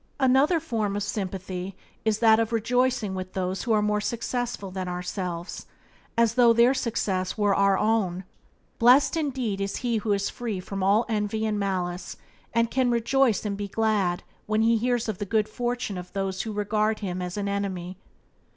Another form of sympathy is that of rejoicing with those who are more successful than ourselves, as though their success were our own. Blessed indeed is he who is free from all envy and malice, and can rejoice and be glad when he hears of the good fortune of those who regard him as an enemy.